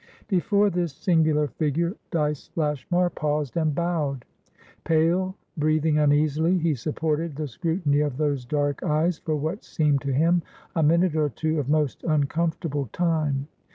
Before this singular figure, Dyce Lashmar paused and bowed. Pale, breathing uneasily, he supported the scrutiny of those dark eyes for what seemed to him a minute or two of most uncomfortable time.